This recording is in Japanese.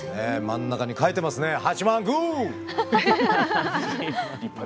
真ん中に書いてますね！